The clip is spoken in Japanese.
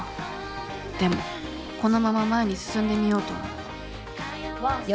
でもこのまま前に進んでみようと思うお楽しみに！